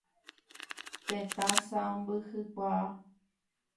Tetã sãmbyhykuaa.